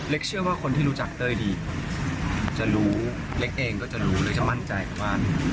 เชื่อว่าคนที่รู้จักเต้ยดีจะรู้เล็กเองก็จะรู้หรือจะมั่นใจว่า